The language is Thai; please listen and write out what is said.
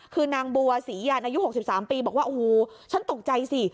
คือนางบัวศรียันอายุ๖๓ปีบอกว่าโอ้โหฉันตกใจสิ